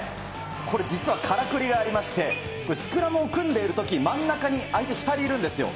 これ実はからくりがありまして、スクラムを組んでいるとき、真ん中に相手２人いるんですよ。